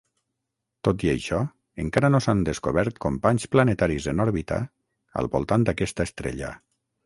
Tot i això, encara no s'han descobert companys planetaris en òrbita al voltant d'aquesta estrella.